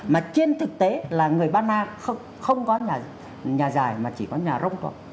mà trên thực tế là người ba na không có nhà dài mà chỉ có nhà rông thôi